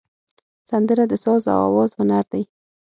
سندره د ساز او آواز هنر دی